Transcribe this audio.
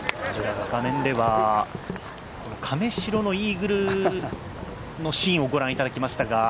画面では亀代のイーグルのシーンをご覧いただきましたが。